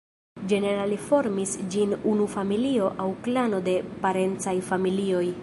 Ĝenerale formis ĝin unu familio aŭ klano de parencaj familioj.